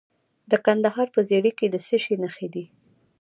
د کندهار په ژیړۍ کې د څه شي نښې دي؟